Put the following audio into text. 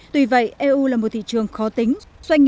tuy vậy eu là một thị trường khó tính